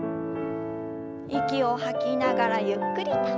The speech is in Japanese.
息を吐きながらゆっくりと。